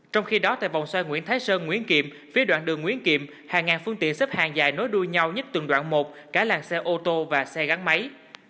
trong khi đó tại vòng xoay nguyễn thái sơn nguyễn kiệm phía đoạn đường nguyễn kiệm hàng ngàn phương tiện xếp hàng dài nối đuôi nhau nhất từng đoạn một cả làng xe ô tô và xe gắn máy